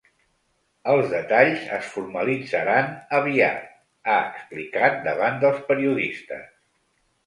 “Els detalls es formalitzaran aviat”, ha explicat davant dels periodistes.